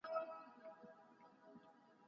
سالم ذهن شخړه نه خپروي.